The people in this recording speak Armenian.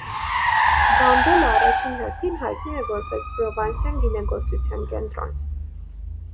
Բանդոլը առաջին հերթին հայտնի է որպես պրովանսյան գինեգործության կենտրոն։